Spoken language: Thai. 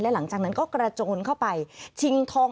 หลังจากนั้นก็กระโจนเข้าไปชิงทอง